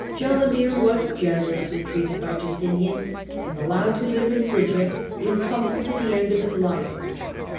Geilamir was generously treated by Justinian, and allowed to live in Phrygia in comfort to the end of his life.